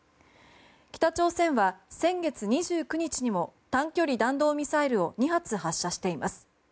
北朝鮮は先月２９日にも短距離弾道ミサイルを２発発射しています。